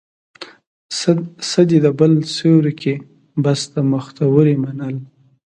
څه دي د بل سيوري کې، بس د مختورۍ منل